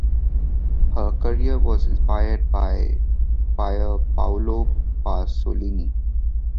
Her career was inspired by Pier Paolo Pasolini.